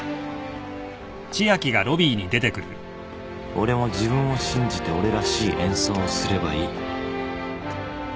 俺も自分を信じて俺らしい演奏をすればいい